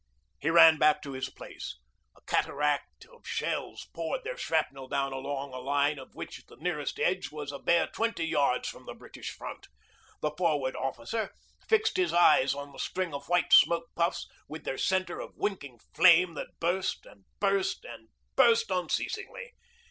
He ran back to his place. A cataract of shells poured their shrapnel down along a line of which the nearest edge was a bare twenty yards from the British front. The Forward Officer fixed his eyes on the string of white smoke puffs with their centre of winking flame that burst and burst and burst unceasingly.